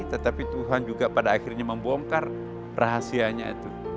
tetapi tuhan juga pada akhirnya membongkar rahasianya itu